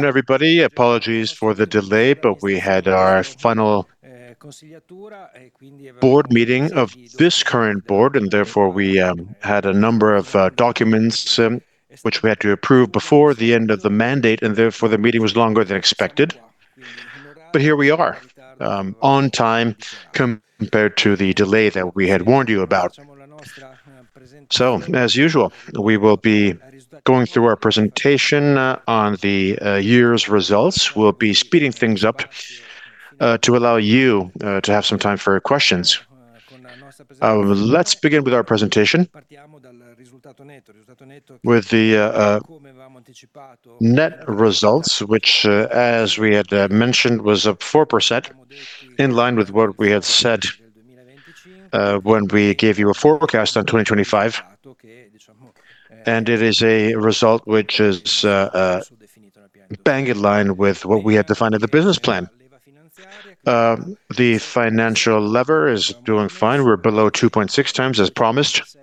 Good afternoon, everybody. Apologies for the delay, but we had our final board meeting of this current board and therefore we had a number of documents which we had to approve before the end of the mandate, and therefore the meeting was longer than expected. Here we are, on time compared to the delay that we had warned you about. As usual, we will be going through our presentation on the year's results. We'll be speeding things up to allow you to have some time for questions. Let's begin with our presentation with the net results which, as we had mentioned, was up 4%, in line with what we had said when we gave you a forecast on 2025. It is a result which is bang in line with what we had defined in the business plan. The financial leverage is doing fine. We're below 2.6x as promised.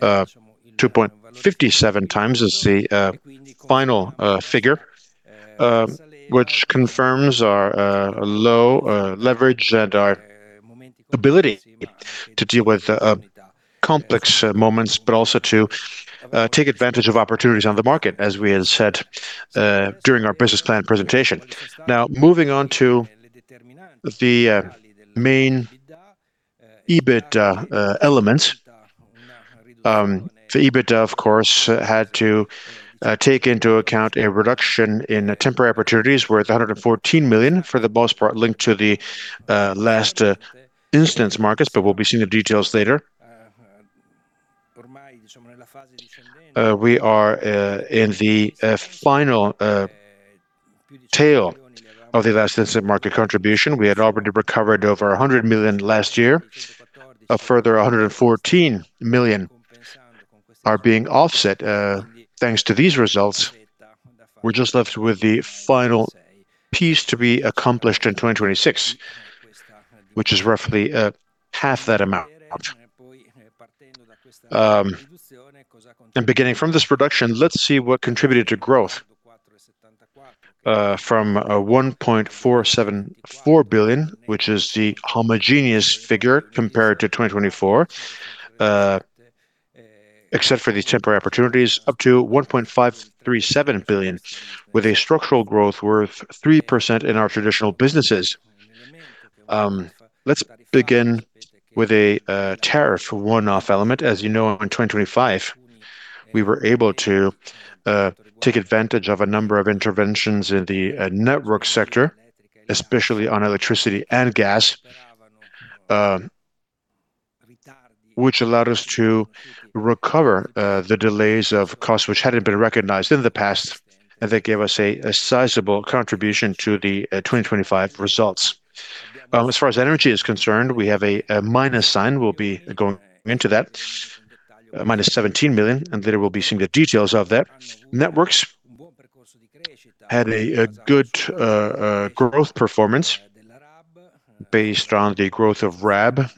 2.57x is the final figure, which confirms our low leverage and our ability to deal with complex moments, but also to take advantage of opportunities on the market, as we had said during our business plan presentation. Now, moving on to the main EBIT elements. The EBIT, of course, had to take into account a reduction in temporary opportunities worth 114 million, for the most part linked to the last resort markets, but we'll be seeing the details later. We are in the final tail of the last resort market contribution. We had already recovered over 100 million last year. A further 114 million are being offset thanks to these results. We're just left with the final piece to be accomplished in 2026, which is roughly half that amount. Beginning from this reduction, let's see what contributed to growth from 1.474 billion, which is the homogeneous figure compared to 2024, except for the temporary opportunities, up to 1.537 billion, with a structural growth worth 3% in our traditional businesses. Let's begin with a tariff one-off element. As you know, in 2025, we were able to take advantage of a number of interventions in the network sector, especially on electricity and gas, which allowed us to recover the delays of costs which hadn't been recognized in the past, and that gave us a sizable contribution to the 2025 results. As far as energy is concerned, we have a minus sign. We'll be going into that. -17 million, and later we'll be seeing the details of that. Networks had a good growth performance based on the growth of RAB,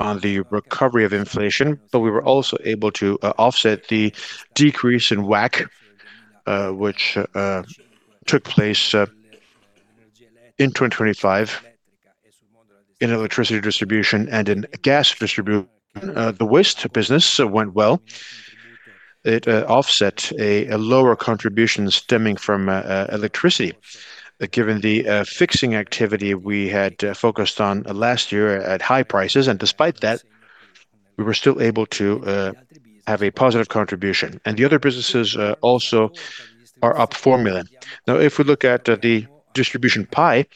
on the recovery of inflation, but we were also able to offset the decrease in WACC, which took place in 2025 in electricity distribution and in gas distribution. The waste business went well. It offset a lower contribution stemming from electricity, given the fixing activity we had focused on last year at high prices. Despite that, we were still able to have a positive contribution. The other businesses also are up EUR 4 million. Now, if we look at the distribution pie,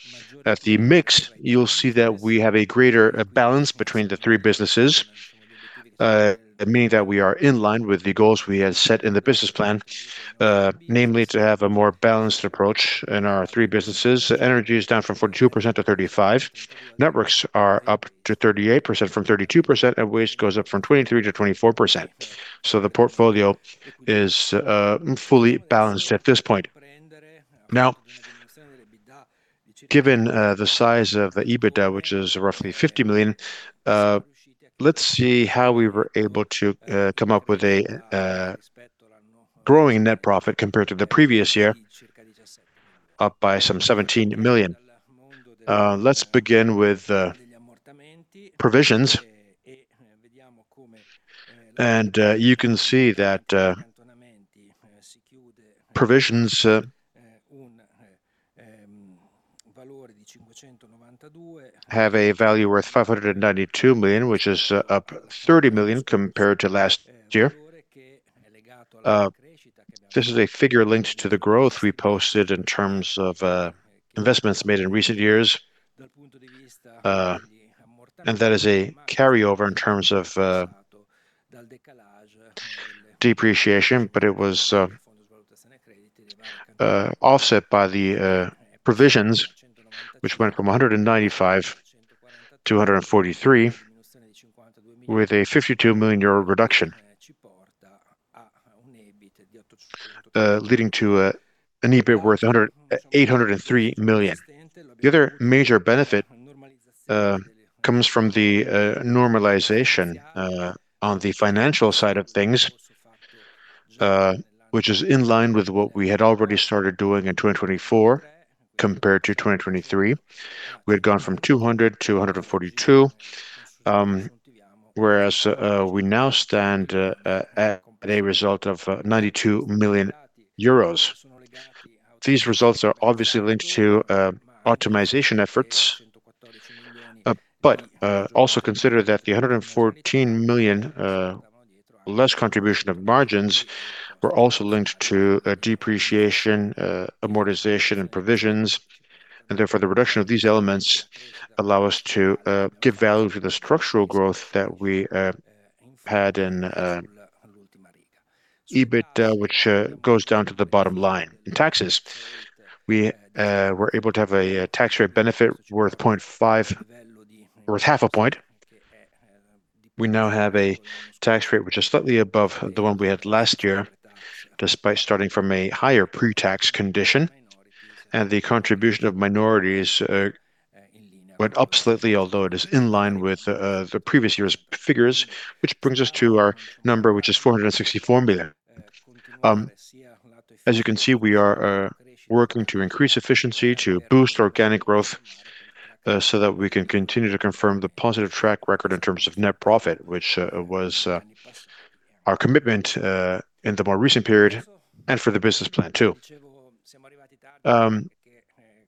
at the mix, you'll see that we have a greater balance between the three businesses, meaning that we are in line with the goals we had set in the business plan, namely to have a more balanced approach in our three businesses. Energy is down from 42%-35%. Networks are up to 38% from 32%, and waste goes up from 23%-24%. The portfolio is fully balanced at this point. Now, given the size of the EBITDA, which is roughly 50 million, let's see how we were able to come up with a growing net profit compared to the previous year, up by some 17 million. Let's begin with provisions. You can see that provisions have a value worth 592 million, which is up 30 million compared to last year. This is a figure linked to the growth we posted in terms of investments made in recent years. That is a carryover in terms of depreciation, but it was offset by the provisions which went from 195 to 143 million, with a 52 million euro reduction, leading to an EBIT worth 803 million. The other major benefit comes from the normalization on the financial side of things, which is in line with what we had already started doing in 2024 compared to 2023. We had gone from 200 to 142 million, whereas we now stand at a result of 92 million euros. These results are obviously linked to optimization efforts. Also consider that the 114 million less contribution of margins were also linked to depreciation, amortization, and provisions, and therefore the reduction of these elements allow us to devalue the structural growth that we had in EBITDA, which goes down to the bottom line. In taxes, we were able to have a tax rate benefit worth half a point. We now have a tax rate which is slightly above the one we had last year, despite starting from a higher pre-tax condition, and the contribution of minorities went up slightly, although it is in line with the previous year's figures, which brings us to our number, which is 464 million. As you can see, we are working to increase efficiency to boost organic growth, so that we can continue to confirm the positive track record in terms of net profit, which was our commitment in the more recent period and for the business plan too.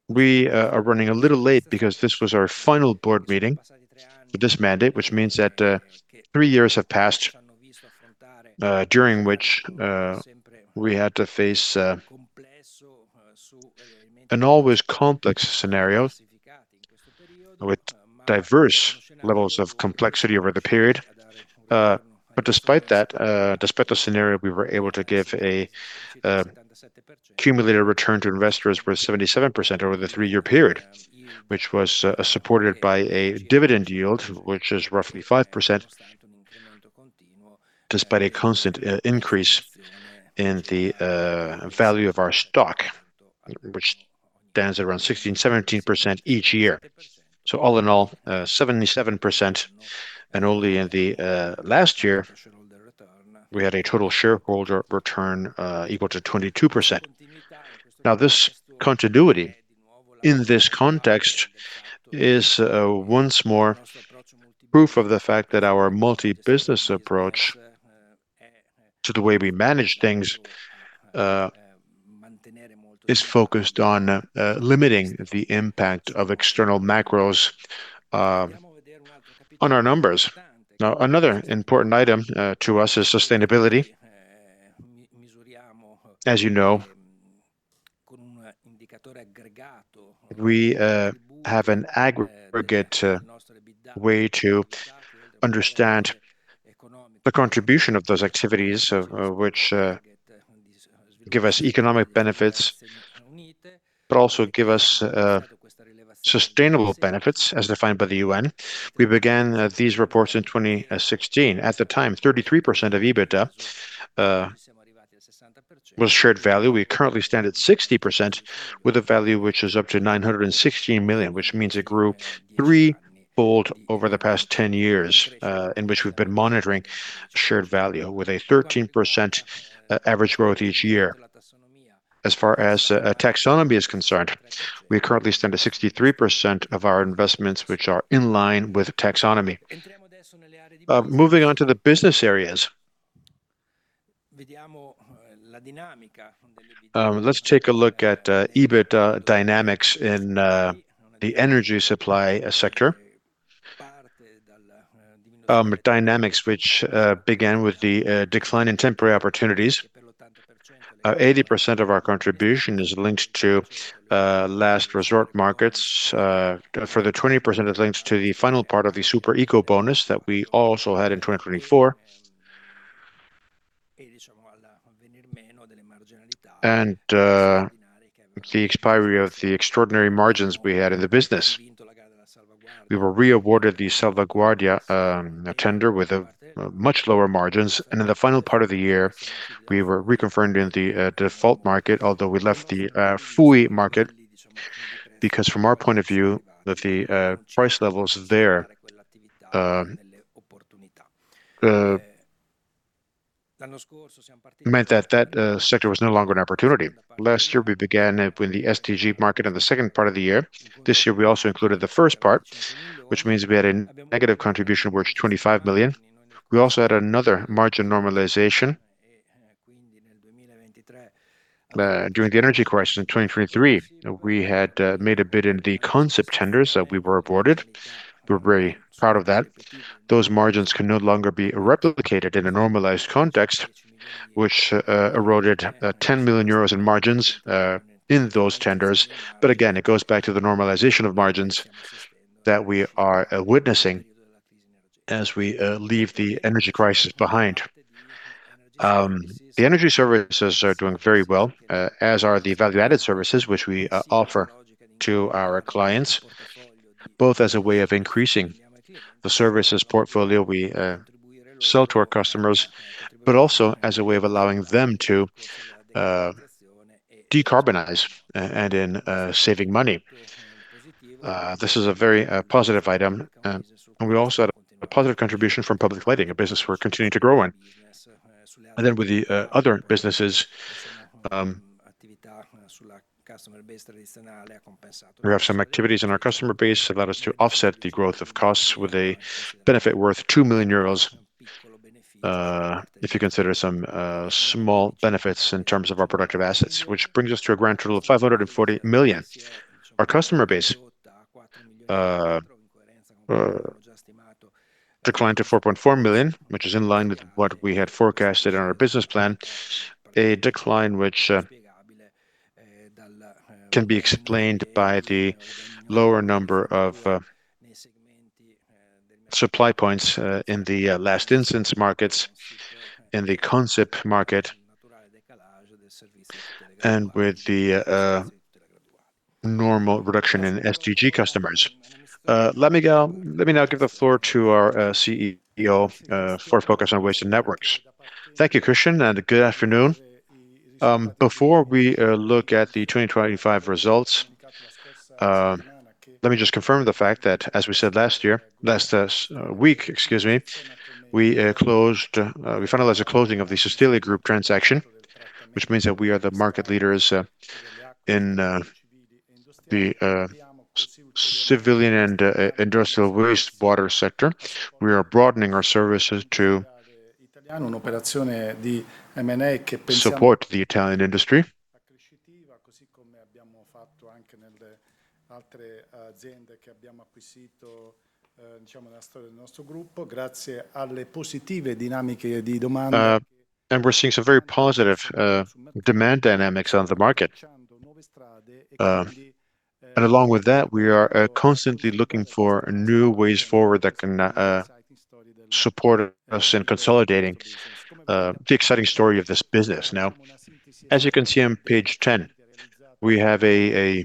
We are running a little late because this was our final board meeting for this mandate, which means that three years have passed during which we had to face an always complex scenario with diverse levels of complexity over the period. But despite that, despite the scenario, we were able to give a cumulative return to investors worth 77% over the three year period, which was supported by a dividend yield which is roughly 5%, despite a constant increase in the value of our stock, which stands at around 16%, 17% each year. All in all, 77%, and only in the last year, we had a total shareholder return equal to 22%. Now, this continuity in this context is once more proof of the fact that our multi-business approach to the way we manage things is focused on limiting the impact of external macros on our numbers. Now, another important item to us is sustainability. As you know, we have an aggregate way to understand the contribution of those activities which give us economic benefits, but also give us sustainable benefits as defined by the UN. We began these reports in 2016. At the time, 33% of EBITDA was shared value. We currently stand at 60% with a value which is up to 916 million, which means it grew threefold over the past 10 years in which we've been monitoring shared value with a 13% average growth each year. As far as taxonomy is concerned, we currently stand at 63% of our investments which are in line with taxonomy. Moving on to the business areas. Let's take a look at EBITDA dynamics in the energy supply sector. Dynamics which began with the decline in temporary opportunities. 80% of our contribution is linked to last resort markets. Further 20% is linked to the final part of the Superbonus that we also had in 2024. The expiry of the extraordinary margins we had in the business. We were re-awarded the Salvaguardia tender with much lower margins. In the final part of the year, we were reconfirmed in the default market, although we left the FUI market because from our point of view that the price levels there meant that that sector was no longer an opportunity. Last year, we began with the STG market in the second part of the year. This year, we also included the first part, which means we had a negative contribution worth 25 million. We also had another margin normalization. During the energy crisis in 2023, we had made a bid in the Consip tenders that we were awarded. We're very proud of that. Those margins can no longer be replicated in a normalized context, which eroded 10 million euros in margins in those tenders. It goes back to the normalization of margins that we are witnessing as we leave the energy crisis behind. The energy services are doing very well, as are the value-added services which we offer to our clients, both as a way of increasing the services portfolio we sell to our customers, but also as a way of allowing them to decarbonize and in saving money. This is a very positive item. We also had a positive contribution from public lighting, a business we're continuing to grow in. With the other businesses, we have some activities in our customer base allowed us to offset the growth of costs with a benefit worth 2 million euros, if you consider some small benefits in terms of our productive assets, which brings us to a grand total of 540 million. Our customer base declined to 4,400,000, which is in line with what we had forecasted on our business plan. A decline which can be explained by the lower number of supply points in the last resort markets, in the default market, and with the normal reduction in STG customers. Let me now give the floor to our CEO for a focus on waste and networks. Thank you, Cristian, and good afternoon. Before we look at the 2025 results, let me just confirm the fact that as we said last week, excuse me, we finalized the closing of the Sostelia Group transaction, which means that we are the market leaders in the civil and industrial wastewater sector. We are broadening our services to support the Italian industry. We're seeing some very positive demand dynamics on the market. Along with that, we are constantly looking for new ways forward that can support us in consolidating the exciting story of this business. Now, as you can see on page 10, we have a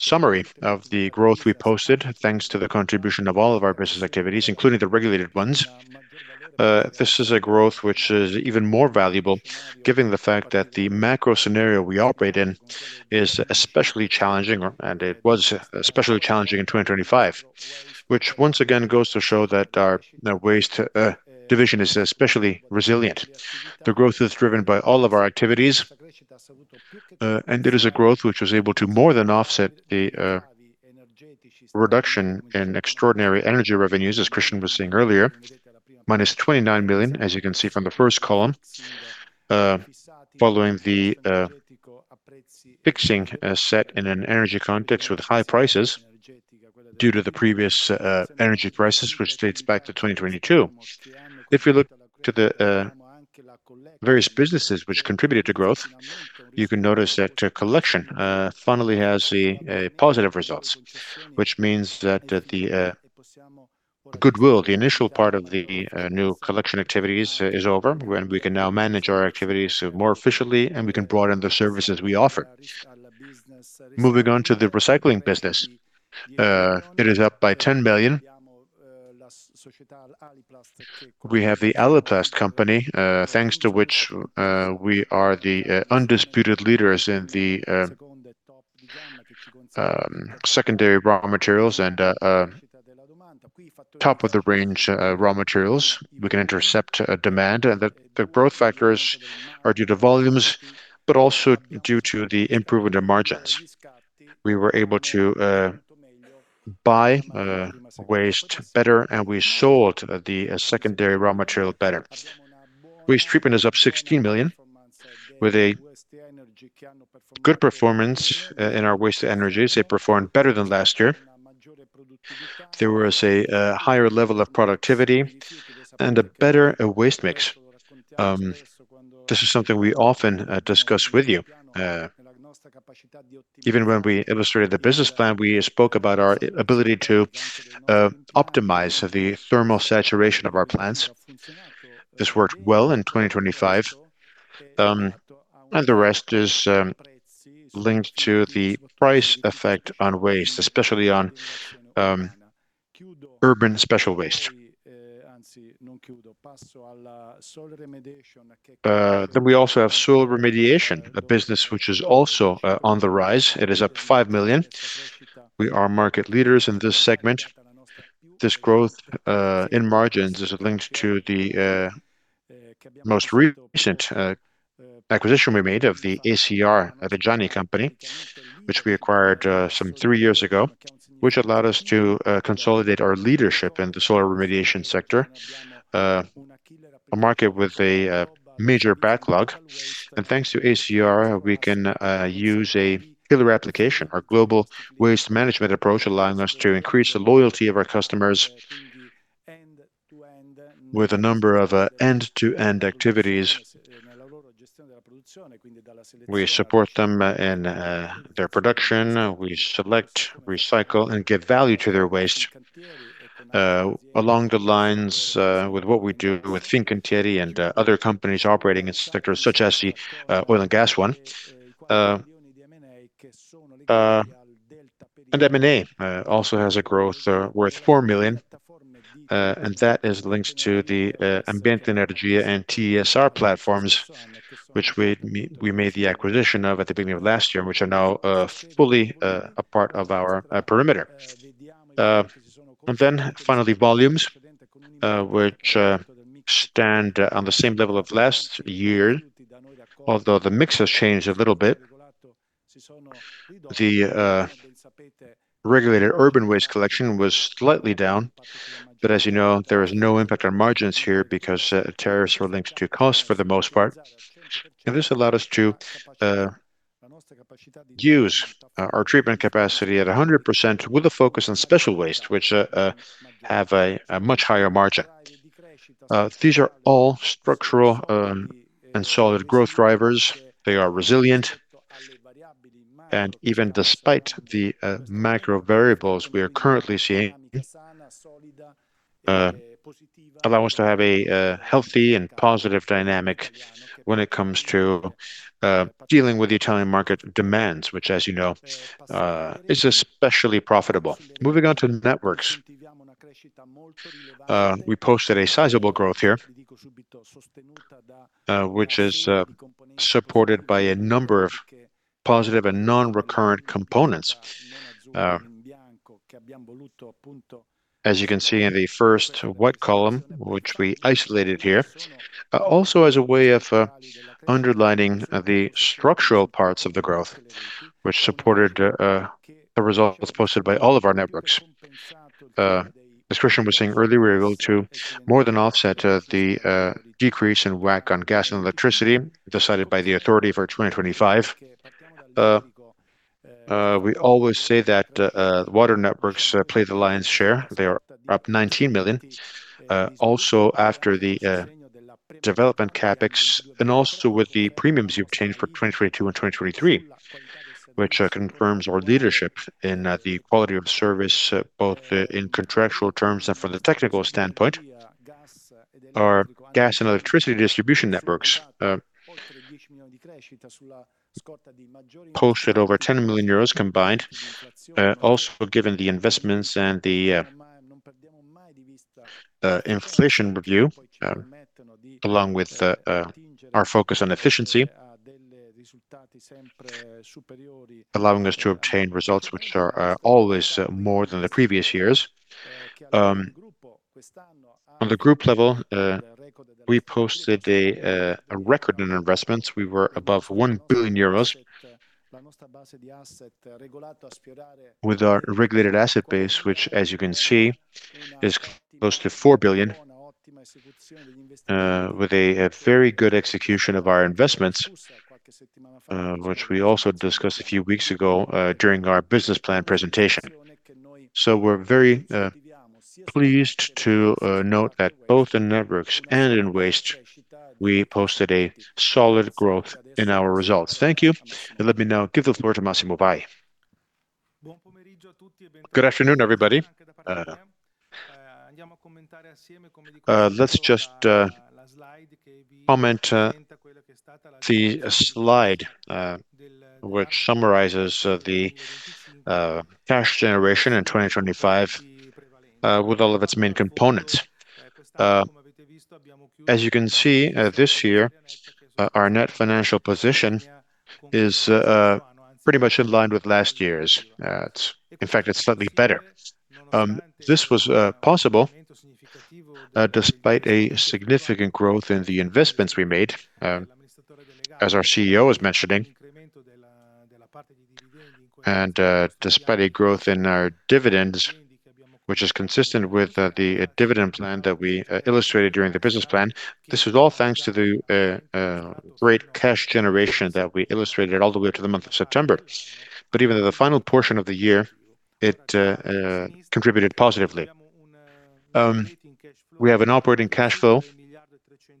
summary of the growth we posted, thanks to the contribution of all of our business activities, including the regulated ones. This is a growth which is even more valuable given the fact that the macro scenario we operate in is especially challenging, and it was especially challenging in 2025, which once again goes to show that our waste division is especially resilient. The growth is driven by all of our activities, and it is a growth which was able to more than offset the reduction in extraordinary energy revenues, as Cristian was saying earlier, -29 million, as you can see from the first column, following the fixing set in an energy context with high prices due to the previous energy prices, which dates back to 2022. If we look to the various businesses which contributed to growth, you can notice that collection finally has a positive results, which means that the goodwill, the initial part of the new collection activities is over, and we can now manage our activities more efficiently, and we can broaden the services we offer. Moving on to the recycling business, it is up by 10 million. We have the Aliplast company, thanks to which we are the undisputed leaders in the secondary raw materials and top-of-the-range raw materials. We can intercept demand. The growth factors are due to volumes, but also due to the improvement in margins. We were able to buy waste better, and we sold the secondary raw material better. Waste treatment is up 16 million, with a good performance in our waste, energy. They performed better than last year. There was a higher level of productivity and a better waste mix. This is something we often discuss with you. Even when we illustrated the business plan, we spoke about our ability to optimize the thermal saturation of our plants. This worked well in 2025. The rest is linked to the price effect on waste, especially on urban special waste. We also have soil remediation, a business which is also on the rise. It is up 5 million. We are market leaders in this segment. This growth in margins is linked to the most recent acquisition we made of the ACR di Reggiani company, which we acquired some three years ago, which allowed us to consolidate our leadership in the soil remediation sector. A market with a major backlog. Thanks to ACR, we can use a killer application, our global waste management approach, allowing us to increase the loyalty of our customers with a number of end-to-end activities. We support them in their production. We select, recycle, and give value to their waste along the lines with what we do with Fincantieri and other companies operating in sectors such as the oil and gas one. M&A also has a growth worth 4 million. That is linked to the Ambiente Energia and TRS platforms, which we made the acquisition of at the beginning of last year, and which are now fully a part of our perimeter. Finally, volumes, which stand on the same level of last year, although the mix has changed a little bit. The regulated urban waste collection was slightly down, but as you know, there is no impact on margins here because tariffs were linked to costs for the most part. This allowed us to use our treatment capacity at 100% with a focus on special waste, which have a much higher margin. These are all structural and solid growth drivers. They are resilient, and even despite the macro variables we are currently seeing, allow us to have a healthy and positive dynamic when it comes to dealing with the Italian market demands, which as you know, is especially profitable. Moving on to networks. We posted a sizable growth here, which is supported by a number of positive and non-recurrent components. As you can see in the first white column, which we isolated here, also as a way of underlining the structural parts of the growth which supported the results posted by all of our networks. As Cristian was saying earlier, we were able to more than offset the decrease in WACC on gas and electricity decided by the authority for 2025. We always say that water networks play the lion's share. They are up 19 million. Also after the development CapEx, and also with the premiums you obtained for 2022 and 2023, which confirms our leadership in the quality of service, both in contractual terms and from the technical standpoint. Our gas and electricity distribution networks posted over 10 million euros combined, also given the investments and the inflation review, along with our focus on efficiency, allowing us to obtain results which are always more than the previous years. On the group level, we posted a record in investments. We were above 1 billion euros. With our regulated asset base, which as you can see, is close to 4 billion, with a very good execution of our investments, which we also discussed a few weeks ago, during our business plan presentation. We're very pleased to note that both in networks and in waste, we posted a solid growth in our results. Thank you. Let me now give the floor to Massimo Vai. Good afternoon, everybody. Let's just comment the slide which summarizes the cash generation in 2025 with all of its main components. As you can see, this year, our net financial position is pretty much in line with last year's. It's in fact slightly better. This was possible despite a significant growth in the investments we made, as our CEO was mentioning. Despite a growth in our dividends, which is consistent with the dividend plan that we illustrated during the business plan, this was all thanks to the great cash generation that we illustrated all the way up to the month of September. Even in the final portion of the year, it contributed positively. We have an operating cash flow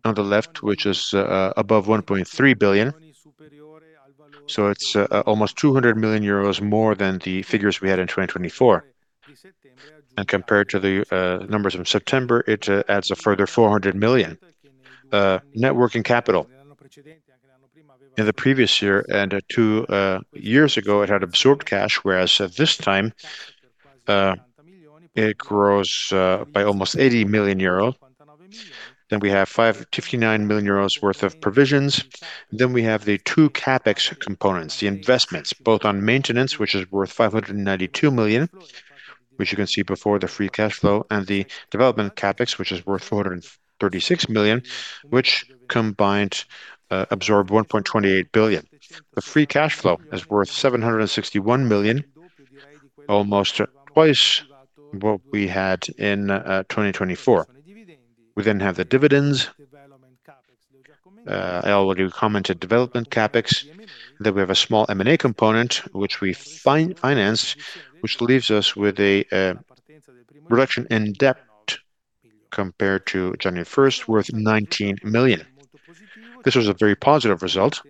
on the left, which is above 1.3 billion, so it's almost 200 million euros more than the figures we had in 2024. Compared to the numbers in September, it adds a further 400 million net working capital. In the previous year and two years ago, it had absorbed cash, whereas at this time, it grows by almost 80 million euros. We have 59 million euros worth of provisions. We have the two CapEx components, the investments, both on maintenance, which is worth 592 million, which you can see before the free cash flow, and the development CapEx, which is worth 436 million, which combined absorbed 1.28 billion. The free cash flow is worth 761 million, almost twice what we had in 2024. We have the dividends. I already commented development CapEx. We have a small M&A component, which we finance, which leaves us with a reduction in debt compared to 1 January worth 19 million. This was a very positive result,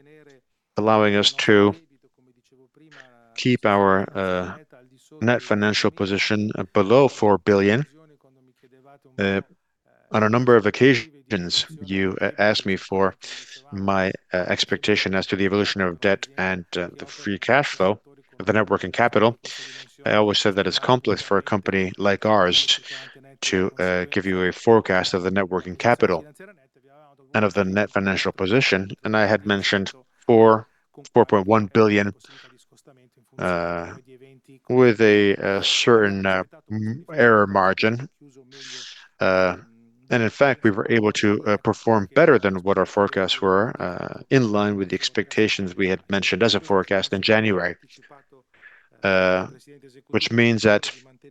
allowing us to keep our net financial position below 4 billion. On a number of occasions you asked me for my expectation as to the evolution of debt and the free cash flow, the net working capital. I always said that it's complex for a company like ours to give you a forecast of the net working capital and of the net financial position. I had mentioned 4.1 billion with a certain error margin. In fact, we were able to perform better than what our forecasts were, in line with the expectations we had mentioned as a forecast in January. Which means that,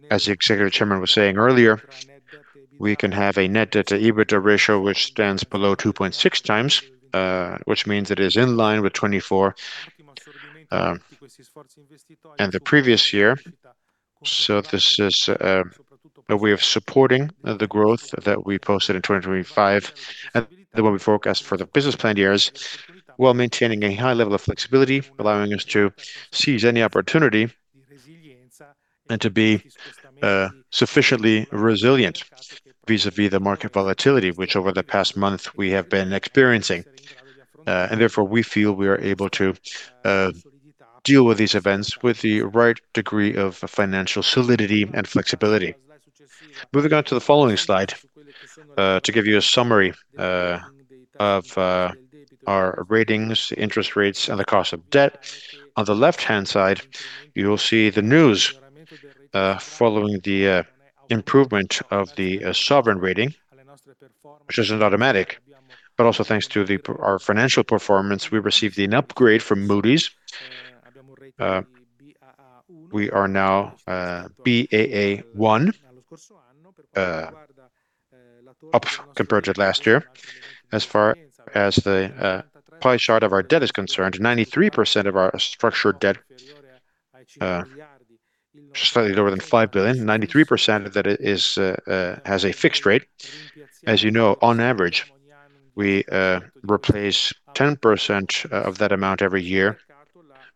as the Executive Chairman was saying earlier, we can have a net debt to EBITDA ratio which stands below 2.6x, which means it is in line with 2024 and the previous year. This is a way of supporting the growth that we posted in 2025, and the one we forecast for the business plan years, while maintaining a high level of flexibility, allowing us to seize any opportunity and to be sufficiently resilient vis-à-vis the market volatility, which over the past month we have been experiencing. Therefore we feel we are able to deal with these events with the right degree of financial solidity and flexibility. Moving on to the following slide, to give you a summary of our ratings, interest rates, and the cost of debt. On the left-hand side, you will see the news following the improvement of the sovereign rating, which isn't automatic, but also thanks to our financial performance, we received an upgrade from Moody's. We are now Baa1 up compared to last year. As far as the pie chart of our debt is concerned, 93% of our structured debt, just slightly lower than 5 billion, 93% of that is has a fixed rate. As you know, on average, we replace 10% of that amount every year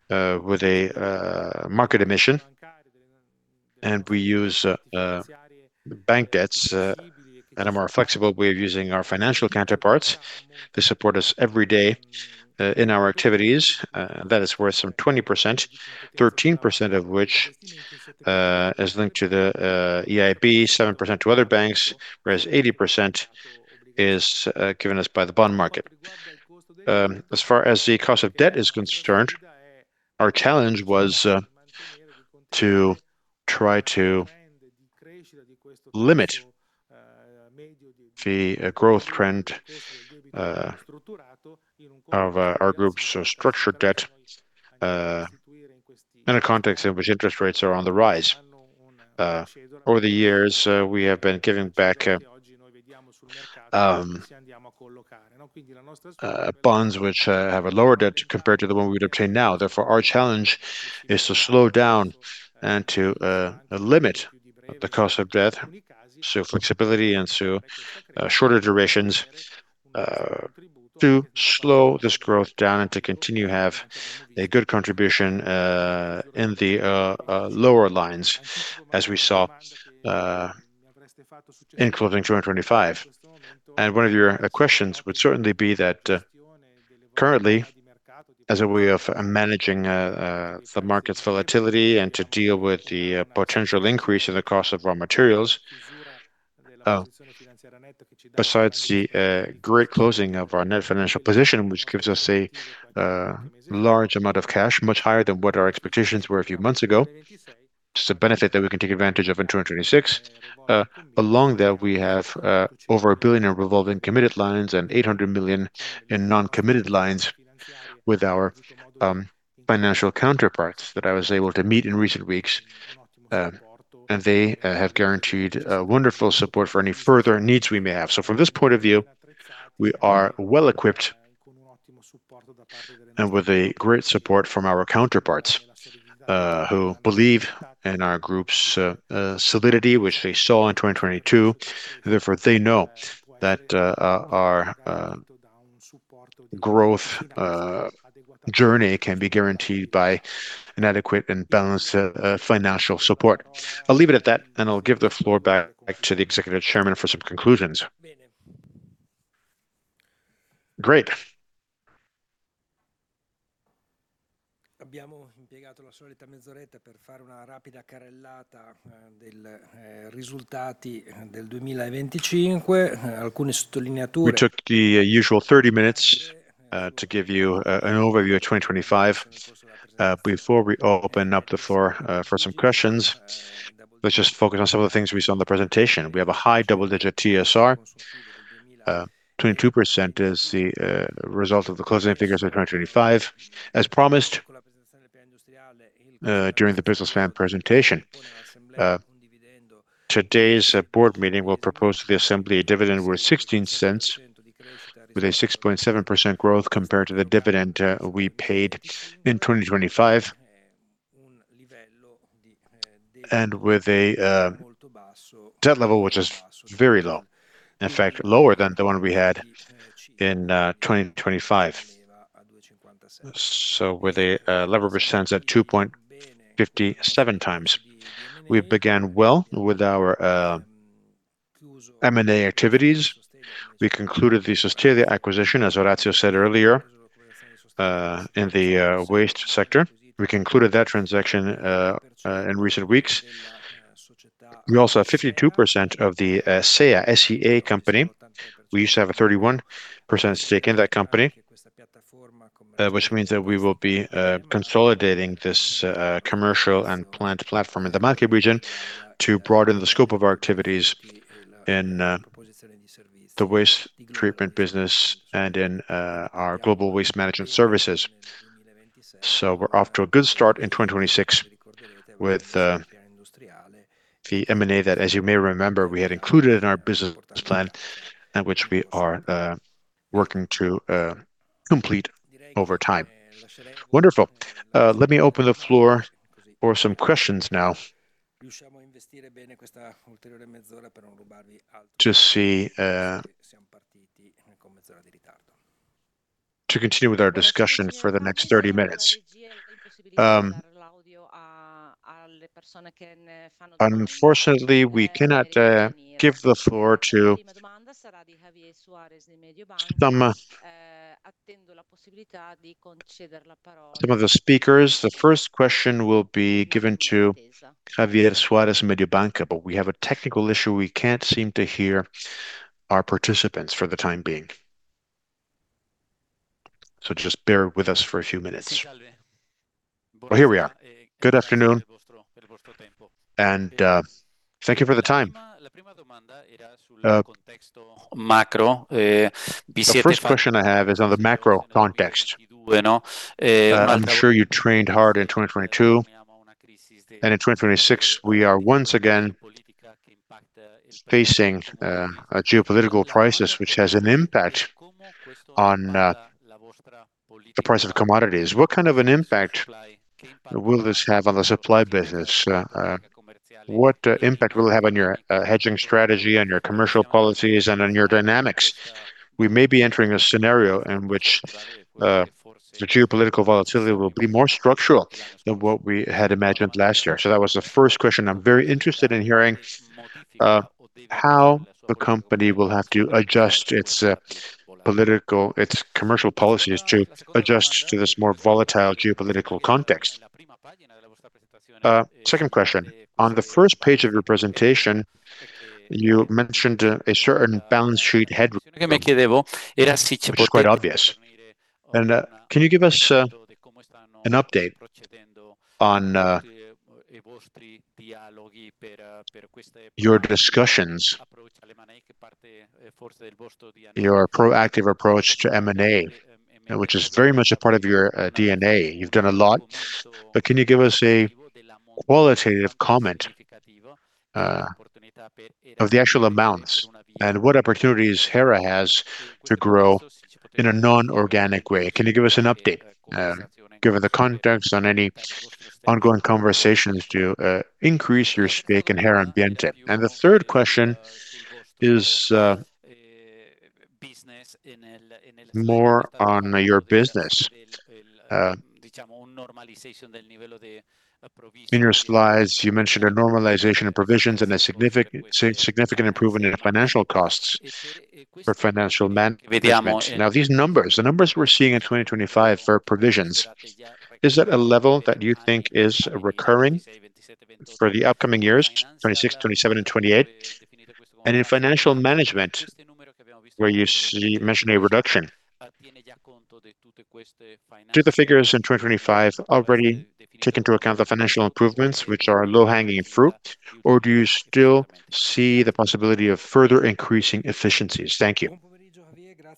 with a market emission. We use bank debts that are more flexible. We are using our financial counterparties to support us every day in our activities. That is worth some 20%, 13% of which is linked to the EIB, 7% to other banks, whereas 80% is given us by the bond market. As far as the cost of debt is concerned, our challenge was to try to limit the growth trend of our group's structured debt in a context in which interest rates are on the rise. Over the years, we have been giving back bonds which have a lower debt compared to the one we'd obtained now. Therefore, our challenge is to slow down and to limit the cost of debt, so flexibility into shorter durations to slow this growth down and to continue have a good contribution in the lower lines as we saw in closing 2025. One of your questions would certainly be that, currently, as a way of managing the market's volatility and to deal with the potential increase in the cost of raw materials, besides the great closing of our net financial position, which gives us a large amount of cash, much higher than what our expectations were a few months ago, just a benefit that we can take advantage of in 2026. Along that, we have over 1 billion in revolving committed lines and 800 million in non-committed lines with our financial counterparts that I was able to meet in recent weeks. They have guaranteed a wonderful support for any further needs we may have. From this point of view, we are well-equipped and with a great support from our counterparts, who believe in our group's solidity, which they saw in 2022. Therefore, they know that our growth journey can be guaranteed by an adequate and balanced financial support. I'll leave it at that, and I'll give the floor back to the Executive Chairman for some conclusions. Great. We took the usual 30 minutes to give you an overview of 2025. Before we open up the floor for some questions, let's just focus on some of the things we saw in the presentation. We have a high double-digit TSR. 22% is the result of the closing figures of 2025. As promised, during the business plan presentation, today's board meeting will propose to the assembly a dividend worth 0.16 with a 6.7% growth compared to the dividend we paid in 2025, and with a debt level which is very low, in fact, lower than the one we had in 2025. Leverage stands at 2.57x. We began well with our M&A activities. We concluded the Sostelia acquisition, as Orazio said earlier, in the waste sector. We concluded that transaction in recent weeks. We also have 52% of the SEA, SEA company. We used to have a 31% stake in that company, which means that we will be consolidating this commercial and plant platform in the market region to broaden the scope of our activities in the waste treatment business and in our global waste management services. We're off to a good start in 2026 with the M&A that, as you may remember, we had included in our business plan and which we are working to complete over time. Wonderful. Let me open the floor for some questions now. To see, to continue with our discussion for the next 30 minutes. Unfortunately, we cannot give the floor to some of the speakers. The first question will be given to Javier Suárez, Mediobanca, but we have a technical issue we can't seem to hear our participants for the time being. So just bear with us for a few minutes. Well, here we are. Good afternoon. Thank you for the time. The first question I have is on the macro context. I'm sure you trained hard in 2022, and in 2026 we are once again facing a geopolitical crisis which has an impact on the price of commodities. What kind of an impact will this have on the supply business? What impact will it have on your hedging strategy, on your commercial policies, and on your dynamics? We may be entering a scenario in which the geopolitical volatility will be more structural than what we had imagined last year. That was the first question. I'm very interested in hearing how the company will have to adjust its commercial policies to adjust to this more volatile geopolitical context. Second question. On the first page of your presentation, you mentioned a certain balance sheet headroom, which is quite obvious. Can you give us an update on your discussions, your proactive approach to M&A, which is very much a part of your DNA? You've done a lot, but can you give us a qualitative comment of the actual amounts and what opportunities Hera has to grow in a non-organic way? Can you give us an update, given the context, on any ongoing conversations to increase your stake in Herambiente? The third question is more on your business. In your slides, you mentioned a normalization of provisions and a significant improvement in financial costs for financial management. Now, these numbers, the numbers we're seeing in 2025 for provisions, is that a level that you think is recurring for the upcoming years, 2026, 2027 and 2028? And in financial management, where you see, mentioned a reduction, do the figures in 2025 already take into account the financial improvements, which are low-hanging fruit, or do you still see the possibility of further increasing efficiencies? Thank you.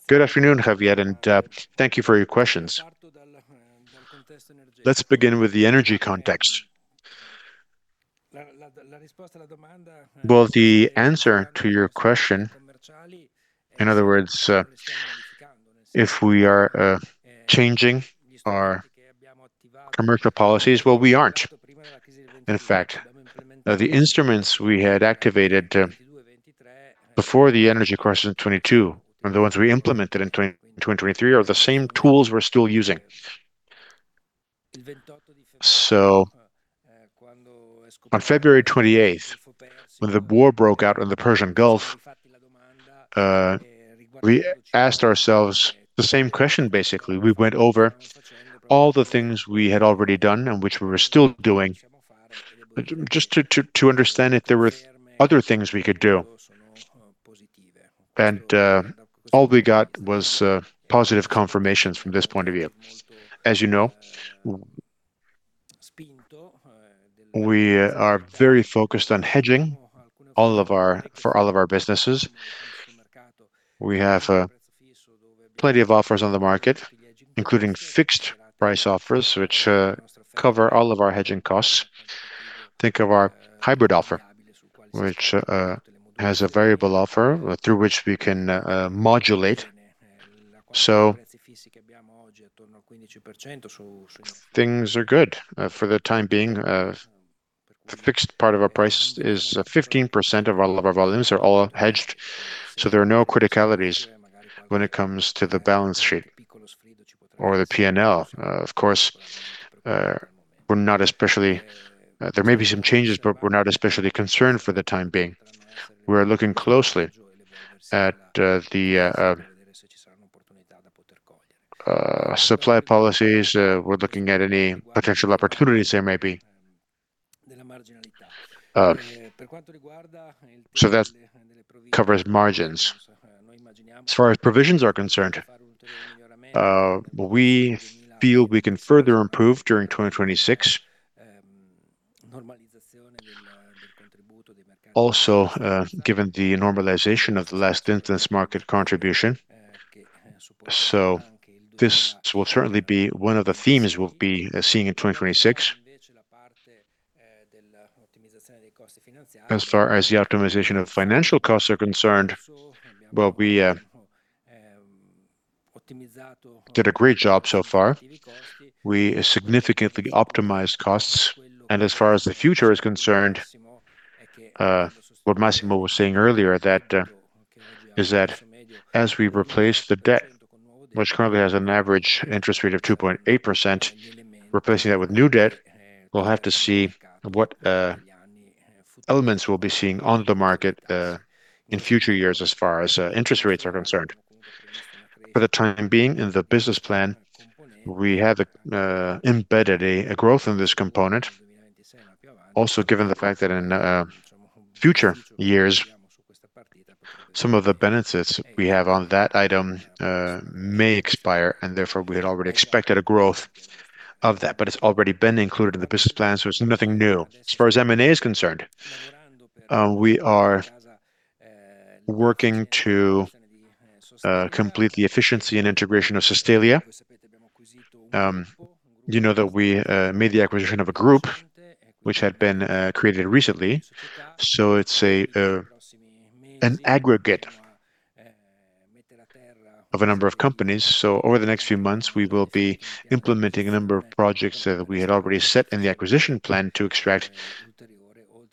Good afternoon, Javier, and thank you for your questions. Let's begin with the energy context. Well, the answer to your question, in other words, if we are changing our commercial policies, well, we aren't. In fact, the instruments we had activated before the energy crisis in 2022, and the ones we implemented in 2023 are the same tools we're still using. On 28 February, when the war broke out in the Persian Gulf, we asked ourselves the same question, basically. We went over all the things we had already done and which we were still doing just to understand if there were other things we could do. All we got was positive confirmations from this point of view. As you know, we are very focused on hedging for all of our businesses. We have plenty of offers on the market, including fixed price offers, which cover all of our hedging costs. Think of our hybrid offer, which has a variable offer through which we can modulate. Things are good for the time being. The fixed part of our price is 15% of all of our volumes are all hedged, so there are no criticalities when it comes to the balance sheet or the P&L. Of course, there may be some changes, but we're not especially concerned for the time being. We're looking closely at the supply policies. We're looking at any potential opportunities there may be. That covers margins. As far as provisions are concerned, we feel we can further improve during 2026. Also, given the normalization of the last resort market contribution, this will certainly be one of the themes we'll be seeing in 2026. As far as the optimization of financial costs are concerned, we did a great job so far. We significantly optimized costs, and as far as the future is concerned, what Massimo was saying earlier that is that as we replace the debt, which currently has an average interest rate of 2.8%, replacing that with new debt, we'll have to see what elements we'll be seeing on the market in future years as far as interest rates are concerned. For the time being, in the business plan, we have embedded a growth in this component. Also, given the fact that in future years, some of the benefits we have on that item may expire, and therefore, we had already expected a growth of that. It's already been included in the business plan, so it's nothing new. As far as M&A is concerned, we are working to complete the efficiency and integration of Sostelia. You know that we made the acquisition of a group which had been created recently, so it's an aggregate of a number of companies. Over the next few months, we will be implementing a number of projects that we had already set in the acquisition plan to extract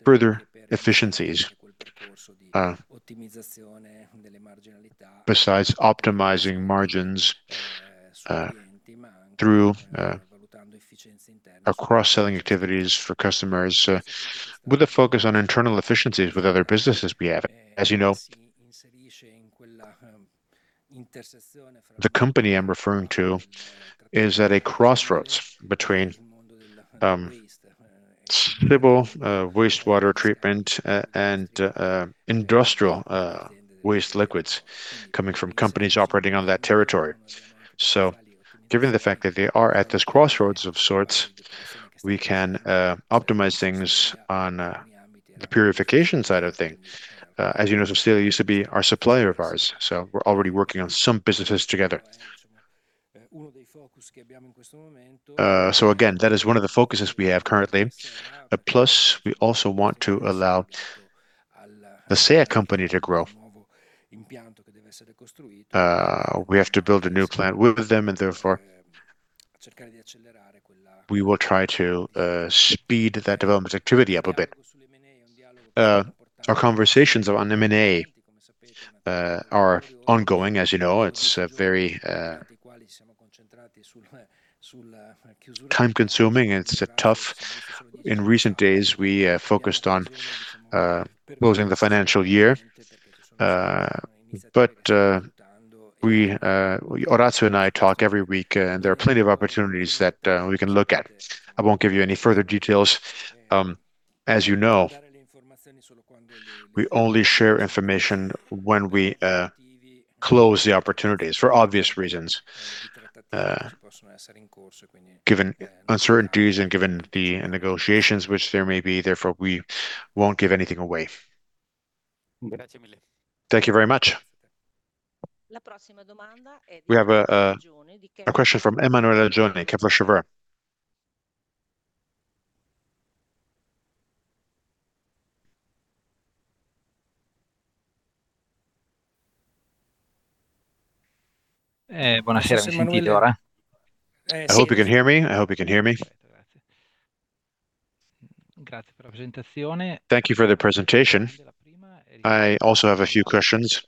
further efficiencies, besides optimizing margins, through our cross-selling activities for customers, with a focus on internal efficiencies with other businesses we have. As you know, the company I'm referring to is at a crossroads between civil wastewater treatment and industrial waste liquids coming from companies operating on that territory. Given the fact that they are at this crossroads of sorts, we can optimize things on the purification side of things. As you know, Sostelia used to be our supplier of ours, so we're already working on some businesses together. Again, that is one of the focuses we have currently. Plus, we also want to allow the SEA company to grow. We have to build a new plant with them, and therefore, we will try to speed that development activity up a bit. Our conversations on M&A are ongoing. As you know, it's very time-consuming, and it's tough. In recent days, we focused on closing the financial year. Orazio and I talk every week, and there are plenty of opportunities that we can look at. I won't give you any further details. As you know, we only share information when we close the opportunities for obvious reasons, given uncertainties and given the negotiations which there may be, therefore, we won't give anything away. Thank you very much. We have a question from Emanuele Oggioni, Kepler Cheuvreux. I hope you can hear me. Thank you for the presentation. I also have a few questions.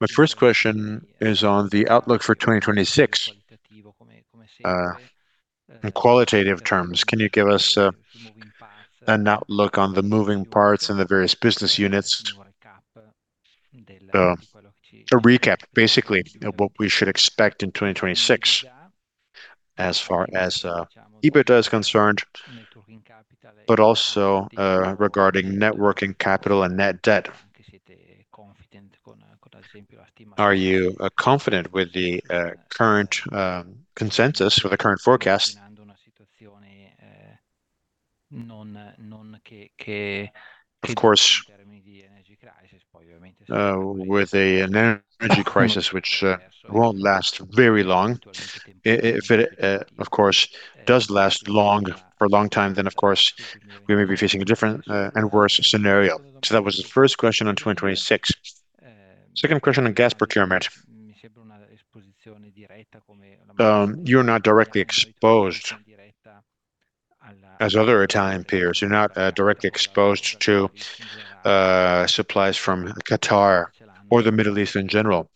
My first question is on the outlook for 2026. In qualitative terms, can you give us an outlook on the moving parts and the various business units? A recap, basically, of what we should expect in 2026 as far as EBITDA is concerned, but also regarding net working capital and net debt. Are you confident with the current consensus or the current forecast? Of course, with an energy crisis which won't last very long. If it, of course, does last long, for a long time, then of course, we may be facing a different and worse scenario. That was the first question on 2026. Second question on gas procurement. You're not directly exposed as other Italian peers. You're not directly exposed to supplies from Qatar or the Middle East in general.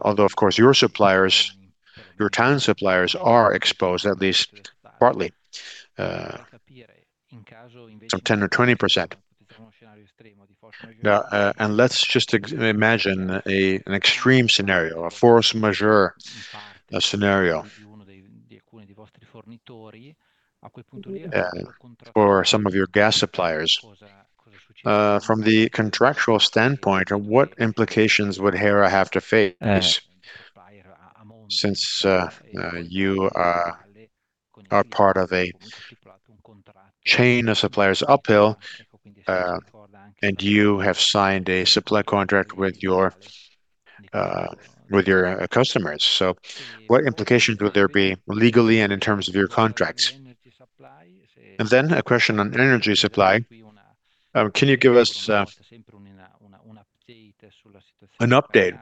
Although of course your suppliers, your Italian suppliers are exposed, at least partly, some 10% or 20%. Let's just imagine an extreme scenario, a force majeure scenario. For some of your gas suppliers, from the contractual standpoint, what implications would Hera have to face since you are part of a chain of suppliers uphill, and you have signed a supply contract with your customers? What implications would there be legally and in terms of your contracts? A question on energy supply. Can you give us an update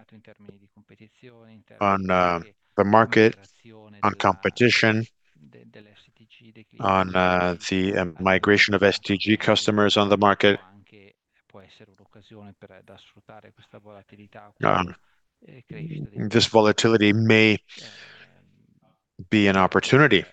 on the market, on competition, on the migration of STG customers on the market? This volatility may be an opportunity.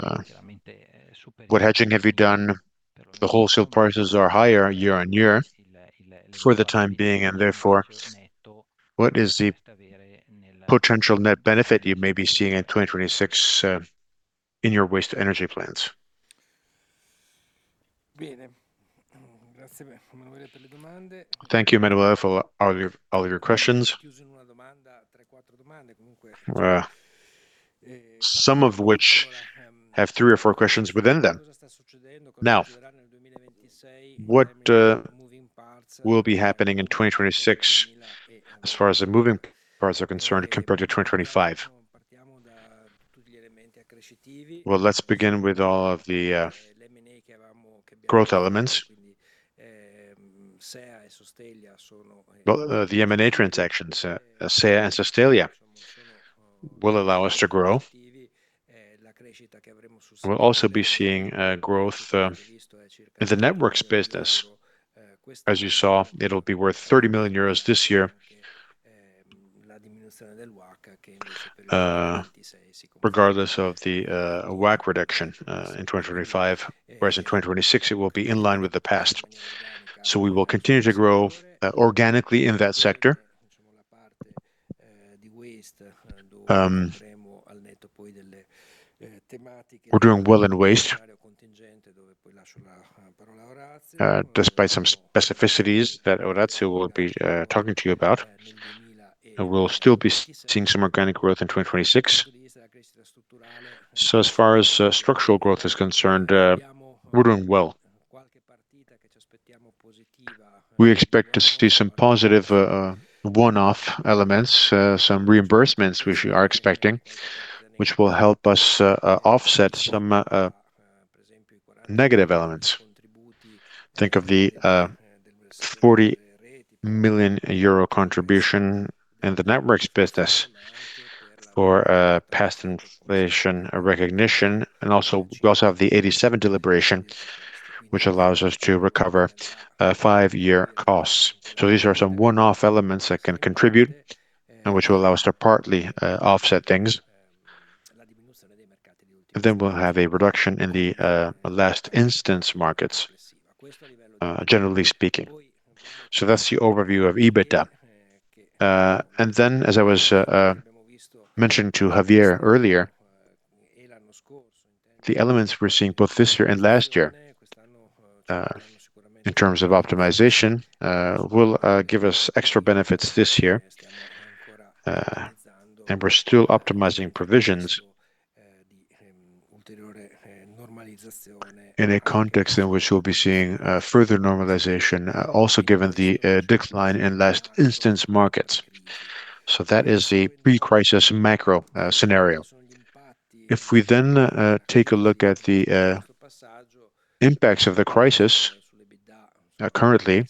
What is the contribution to EBITDA? What hedging have you done? The wholesale prices are higher year-on-year for the time being, and therefore, what is the potential net benefit you may be seeing in 2026, in your waste to energy plans? Thank you, Emanuele, for all your questions. Some of which have three or four questions within them. Now, what will be happening in 2026 as far as the moving parts are concerned compared to 2025? Well, let's begin with all of the growth elements. Well, the M&A transactions, SEA and Sostelia will allow us to grow. We'll also be seeing growth in the networks business. As you saw, it'll be worth 30 million euros this year. Regardless of the WACC reduction in 2025, whereas in 2026 it will be in line with the past. We will continue to grow organically in that sector. We're doing well in waste despite some specificities that Orazio will be talking to you about. We'll still be seeing some organic growth in 2026. As far as structural growth is concerned, we're doing well. We expect to see some positive one-off elements, some reimbursements which we are expecting, which will help us offset some negative elements. Think of the 40 million euro contribution in the networks business for past inflation recognition. We have the 87 Deliberation, which allows us to recover five year costs. These are some one-off elements that can contribute and which will allow us to partly offset things. We'll have a reduction in the last resort markets, generally speaking. That's the overview of EBITDA. As I was mentioning to Javier earlier, the elements we're seeing both this year and last year in terms of optimization will give us extra benefits this year. We're still optimizing provisions in a context in which we'll be seeing further normalization also given the decline in last resort markets. That is the pre-crisis macro scenario. If we take a look at the impacts of the crisis currently,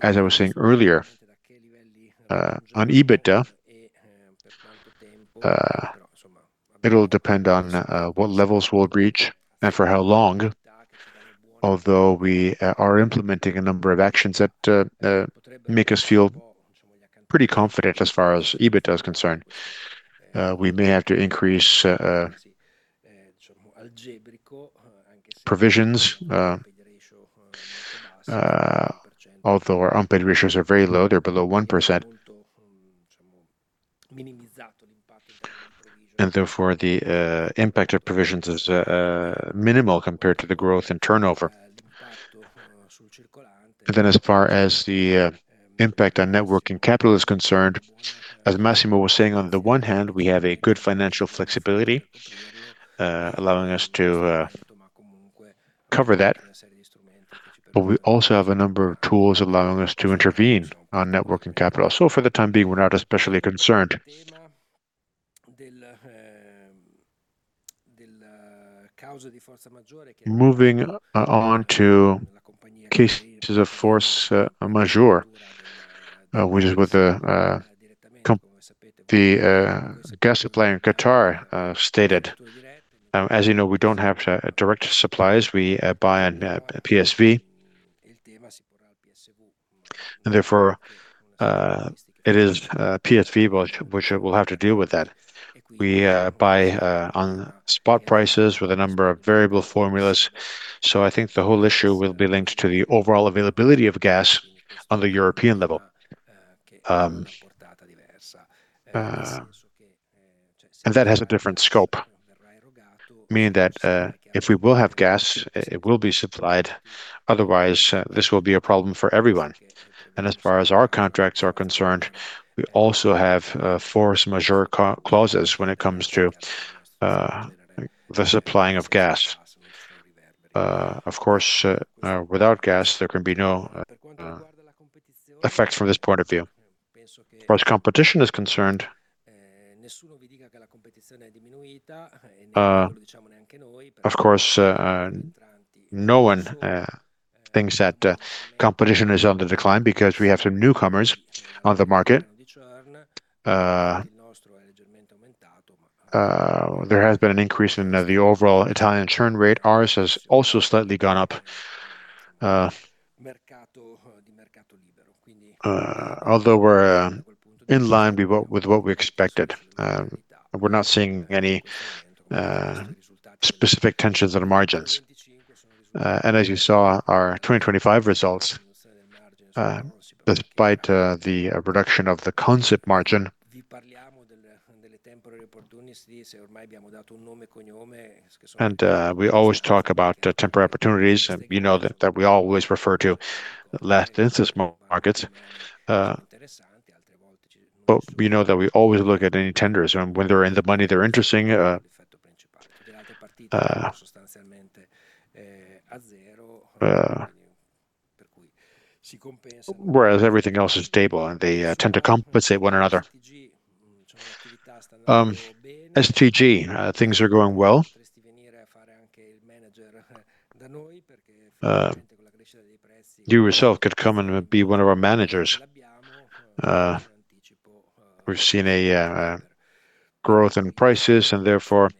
as I was saying earlier, on EBITDA, it'll depend on what levels we'll reach and for how long. Although we are implementing a number of actions that make us feel pretty confident as far as EBITDA is concerned. We may have to increase provisions, although our unpaid ratios are very low, they're below 1%. Therefore, the impact of provisions is minimal compared to the growth in turnover. As far as the impact on net working capital is concerned, as Massimo was saying, on the one hand, we have a good financial flexibility, allowing us to cover that, but we also have a number of tools allowing us to intervene on net working capital. For the time being, we're not especially concerned. Moving on to cases of force majeure, which is what the gas supplier in Qatar stated. As you know, we don't have direct supplies. We buy on PSV. Therefore, it is PSV which will have to deal with that. We buy on spot prices with a number of variable formulas, so I think the whole issue will be linked to the overall availability of gas on the European level. That has a different scope, meaning that if we will have gas, it will be supplied, otherwise this will be a problem for everyone. As far as our contracts are concerned, we also have force majeure clauses when it comes to the supplying of gas. Of course, without gas, there can be no effect from this point of view. As far as competition is concerned, of course, no one thinks that competition is on the decline because we have some newcomers on the market. There has been an increase in the overall Italian churn rate. Ours has also slightly gone up, although we're in line with what we expected, we're not seeing any specific tensions on the margins. As you saw, our 2025 results, despite the reduction of the Consip margin. We always talk about temporary opportunities, and you know that we always refer to last resort markets. You know that we always look at any tenders, and when they're in the money, they're interesting. Whereas everything else is stable, and they tend to compensate one another. STG things are going well. You yourself could come and be one of our managers. We've seen a growth in prices, and therefore,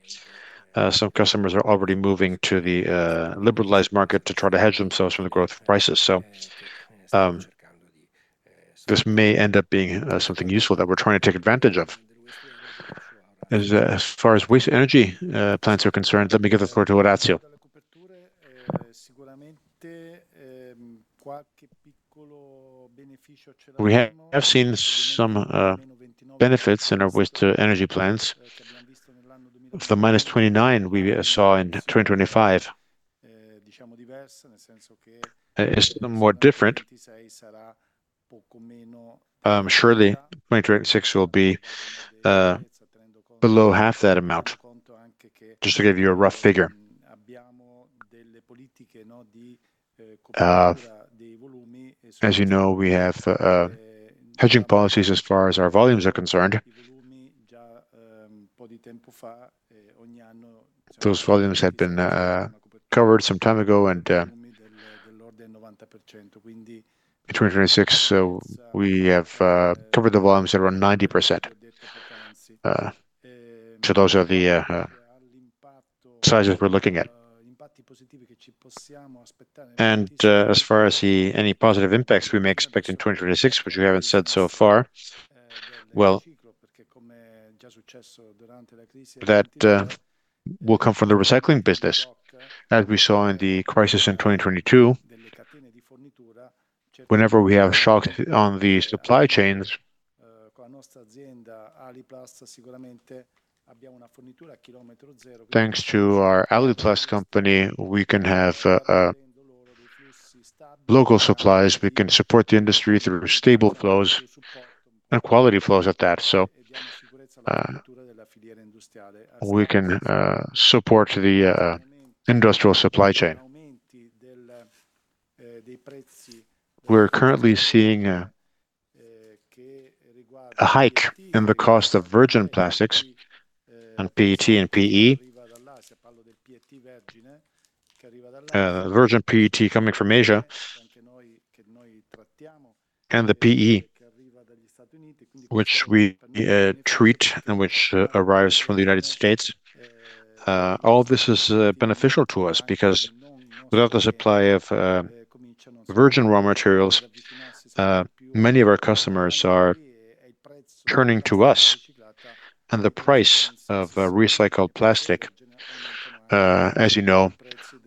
some customers are already moving to the liberalized market to try to hedge themselves from the growth of prices. This may end up being something useful that we're trying to take advantage of. As far as waste to energy plants are concerned, let me give the floor to Orazio. We have seen some benefits in our waste to energy plants. Of the -29 million we saw in 2025 is markedly different. Surely 2026 will be below half that amount, just to give you a rough figure. As you know, we have hedging policies as far as our volumes are concerned. Those volumes had been covered some time ago and in 2026, so we have covered the volumes at around 90%. Those are the sizes we're looking at. As far as any positive impacts we may expect in 2026, which we haven't said so far, well, that will come from the recycling business. As we saw in the crisis in 2022, whenever we have shocks on the supply chains, thanks to our Aliplast company, we can have local supplies. We can support the industry through stable flows and quality flows at that. We can support the industrial supply chain. We're currently seeing a hike in the cost of virgin plastics on PET and PE. Virgin PET coming from Asia, and the PE which we treat and which arrives from the United States. All this is beneficial to us because without the supply of virgin raw materials, many of our customers are turning to us, and the price of recycled plastic, as you know,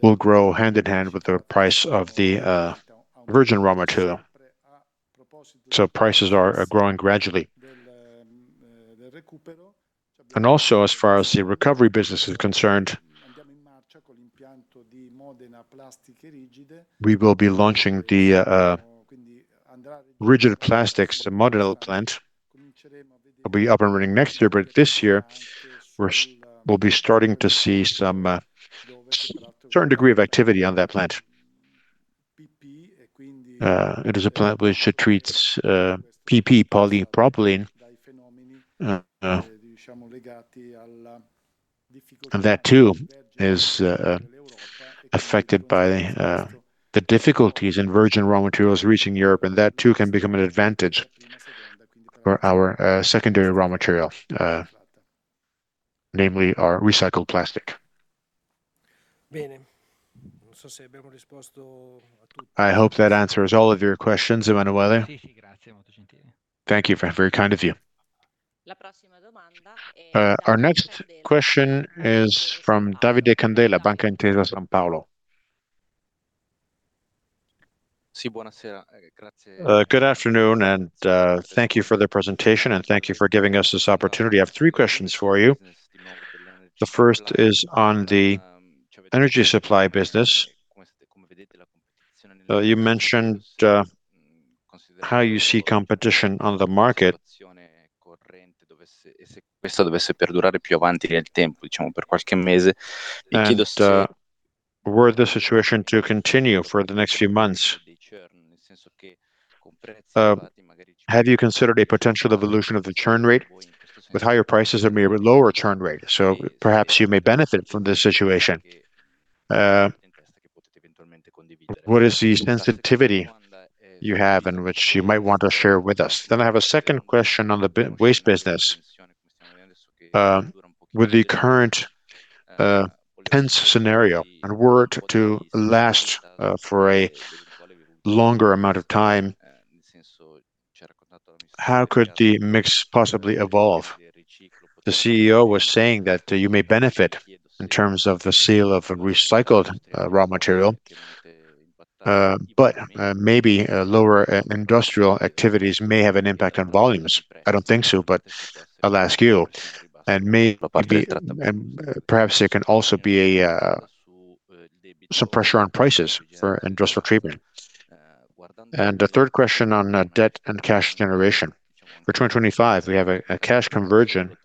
will grow hand-in-hand with the price of the virgin raw material. Prices are growing gradually. Also as far as the recovery business is concerned, we will be launching the rigid plastics model plant. It'll be up and running next year, but this year we'll be starting to see some certain degree of activity on that plant. It is a plant which it treats PP, polypropylene. That too is affected by the difficulties in virgin raw materials reaching Europe, and that too can become an advantage for our secondary raw material, namely our recycled plastic. I hope that answers all of your questions, Emanuele. Thank you. Very kind of you. Our next question is from Davide Candela, Banca Intesa Sanpaolo. Good afternoon, and thank you for the presentation, and thank you for giving us this opportunity. I have three questions for you. The first is on the energy supply business. You mentioned how you see competition on the market. Were the situation to continue for the next few months, have you considered a potential evolution of the churn rate? With higher prices, there may be lower churn rate, so perhaps you may benefit from this situation. What is the sensitivity you have and which you might want to share with us? I have a second question on the waste business. With the current tense scenario, and were it to last for a longer amount of time, how could the mix possibly evolve? The CEO was saying that you may benefit in terms of the sale of recycled raw material, but maybe lower industrial activities may have an impact on volumes. I don't think so, but I'll ask you. Maybe there can also be some pressure on prices for industrial treatment. The third question on debt and cash generation. For 2025, we have a cash conversion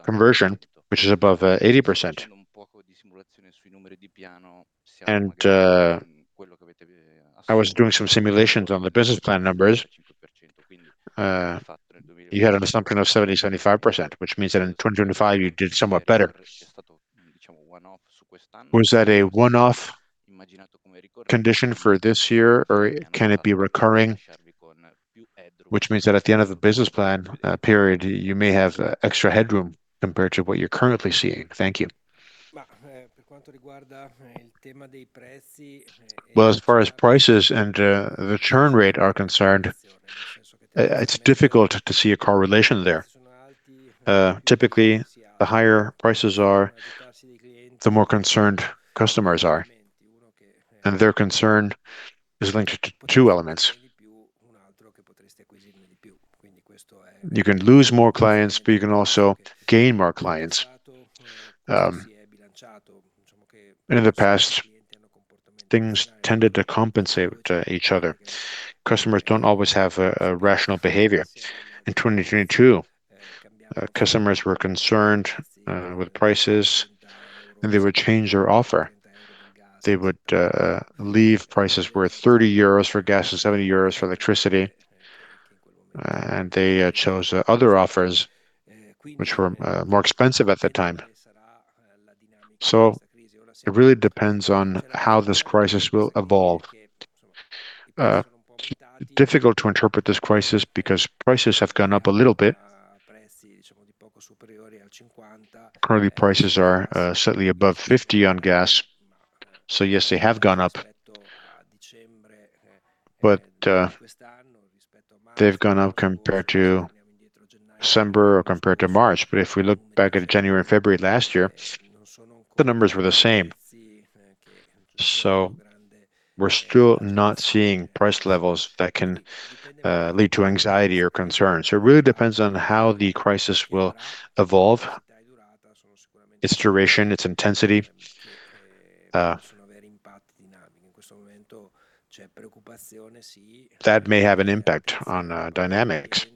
which is above 80%. I was doing some simulations on the business plan numbers. You had an assumption of 70%-75%, which means that in 2025 you did somewhat better. Was that a one-off condition for this year, or can it be recurring, which means that at the end of the business plan period, you may have extra headroom compared to what you're currently seeing? Thank you. Well, as far as prices and the churn rate are concerned, it's difficult to see a correlation there. Typically, the higher prices are, the more concerned customers are, and their concern is linked to two elements. You can lose more clients, but you can also gain more clients. And in the past, things tended to compensate each other. Customers don't always have a rational behavior. In 2022, customers were concerned with prices, and they would change their offer. They would leave prices worth 30 euros for gas and 70 euros for electricity, and they chose other offers which were more expensive at the time. It really depends on how this crisis will evolve. It's difficult to interpret this crisis because prices have gone up a little bit. Currently, prices are slightly above 50 on gas, so yes, they have gone up. They've gone up compared to December or compared to March. If we look back at January and February last year, the numbers were the same. We're still not seeing price levels that can lead to anxiety or concern. It really depends on how the crisis will evolve, its duration, its intensity. That may have an impact on dynamics.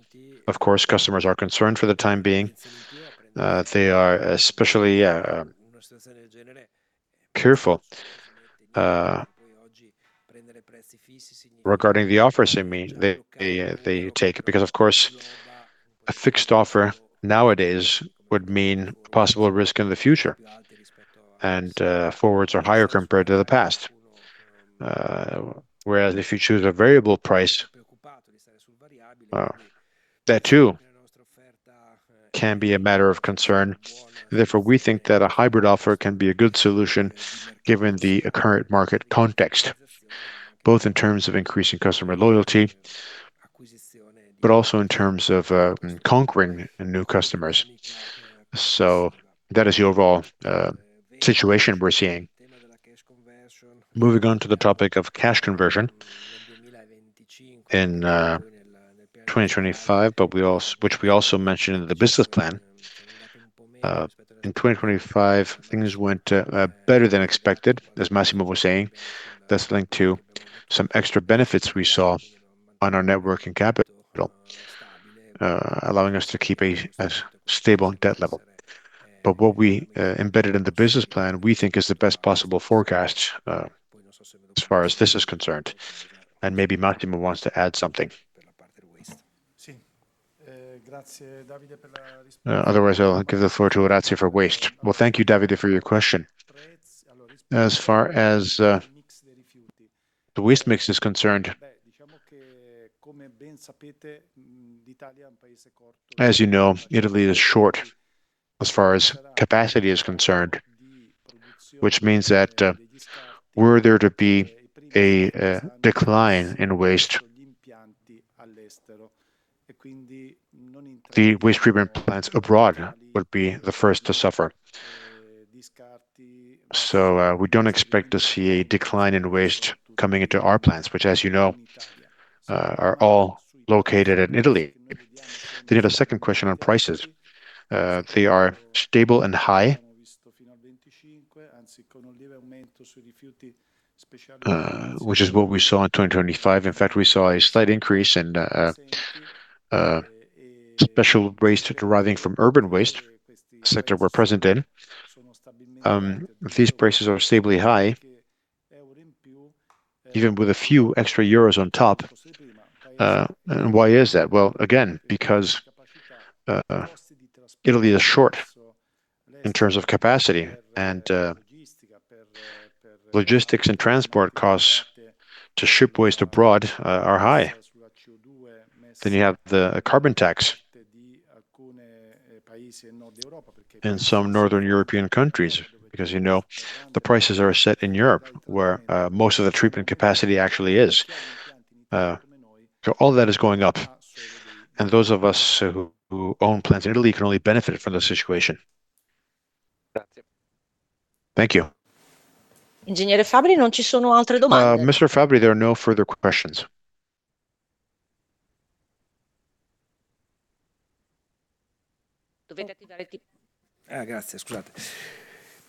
Of course, customers are concerned for the time being. They are especially careful regarding the offers they make because, of course, a fixed offer nowadays would mean possible risk in the future. Forwards are higher compared to the past. Whereas if you choose a variable price, that too can be a matter of concern. Therefore, we think that a hybrid offer can be a good solution given the current market context. Both in terms of increasing customer loyalty, but also in terms of conquering new customers. That is the overall situation we're seeing. Moving on to the topic of cash conversion. In 2025, which we also mentioned in the business plan, things went better than expected, as Massimo was saying. That's linked to some extra benefits we saw on our network and capital, allowing us to keep a stable debt level. What we embedded in the business plan we think is the best possible forecast as far as this is concerned, and maybe Massimo wants to add something. Otherwise, I'll give the floor to Orazio for waste. Well, thank you, Davide, for your question. As far as the waste mix is concerned, as you know, Italy is short as far as capacity is concerned, which means that were there to be a decline in waste, the waste treatment plants abroad would be the first to suffer. We don't expect to see a decline in waste coming into our plants, which as you know are all located in Italy. You have a second question on prices. They are stable and high, which is what we saw in 2025. In fact, we saw a slight increase in special waste deriving from urban waste sector we're present in. These prices are stably high, even with a few extra euros on top. And why is that? Well, again, because Italy is short in terms of capacity, and logistics and transport costs to ship waste abroad are high. Then you have the carbon tax in some Northern European countries, because you know, the prices are set in Europe, where most of the treatment capacity actually is. So all that is going up, and those of us who own plants in Italy can only benefit from the situation. Thank you. Thank you. Mr. Fabbri, there are no further questions.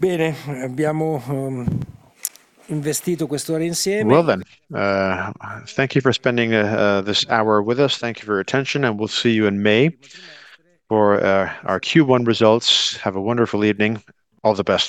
Well then, thank you for spending this hour with us. Thank you for your attention, and we'll see you in May for our Q1 results. Have a wonderful evening. All the best.